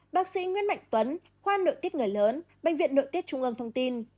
bác sĩ nguyễn mạnh tuấn khoa nội tiết người lớn bệnh viện nội tiết trung ương thông tin